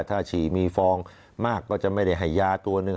ถ้าฉี่มีฟองมากก็จะไม่ได้ให้ยาตัวหนึ่ง